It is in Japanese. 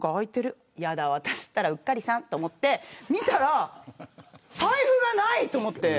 嫌だ、私ったらうっかりさんと思って見たら財布がないと思って。